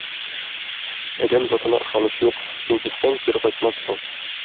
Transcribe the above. Адәм затына ышаныч юк, син китсәң, кире кайтмассың.